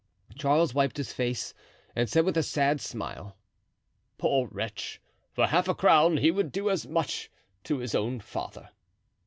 Charles wiped his face and said with a sad smile: "Poor wretch, for half a crown he would do as much to his own father."